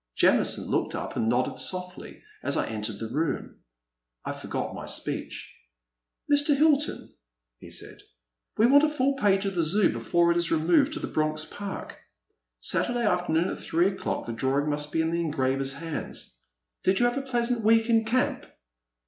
Jamison looked up and nodded softly as I en tered the room. I forgot my speech. Mr. Hilton," he said, *' we want a full page of the Zoo before it is removed to Bronx Park. Saturday afternoon at three o'clock the drawing must be in the engraver's hands. Did you have a pleasant week in camp